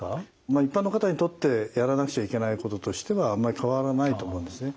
一般の方にとってやらなくちゃいけないこととしてはあんまり変わらないと思うんですね。